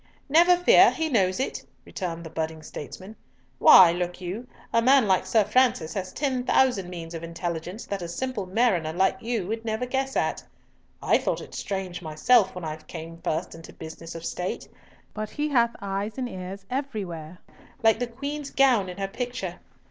"Never fear! he knows it," returned the budding statesman. "Why, look you, a man like Sir Francis has ten thousand means of intelligence that a simple mariner like you would never guess at. I thought it strange myself when I came first into business of State, but he hath eyes and ears everywhere, like the Queen's gown in her picture.